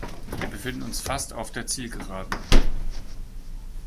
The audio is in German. Wir befinden uns fast auf der Zielgeraden.